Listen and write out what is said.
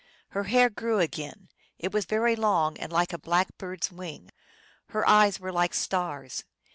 Her hair grew again ; it was very long, and like a black bird s wing. Her eyes were like stars.